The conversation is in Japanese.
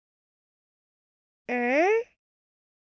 うん？